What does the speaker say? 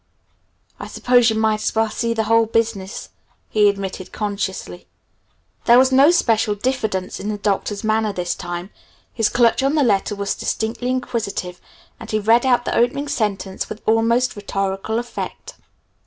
"I suppose you might as well see the whole business," he admitted consciously. There was no special diffidence in the Doctor's manner this time. His clutch on the letter was distinctly inquisitive, and he read out the opening sentences with almost rhetorical effect.